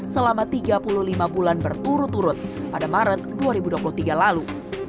selama tiga puluh lima bulan berturut turut pada maret dua ribu dua puluh tiga lalu